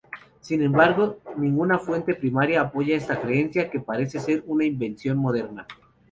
Sin embargo, ninguna fuente primaria apoya esta creencia, que parece ser una invención moderna.